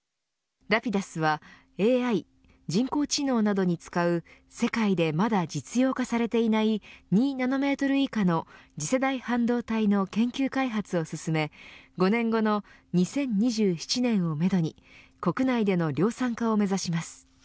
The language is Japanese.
ＲａｐｉｄｕｓはＡＩ、人工知能などに使う世界でまだ実用化されていない２ナノメートル以下の次世代半導体の研究開発を進め５年後の２０２７年をめどに国内での量産化を目指します。